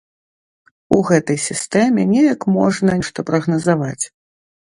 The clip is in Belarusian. У гэтай сістэме неяк можна нешта прагназаваць.